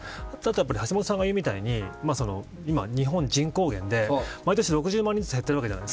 橋下さんがいうみたいに日本は人口減で毎年、６０万人ずつ減っているわけです。